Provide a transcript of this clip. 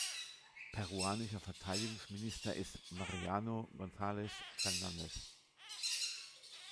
Peruanischer Verteidigungsminister ist Mariano González Fernández.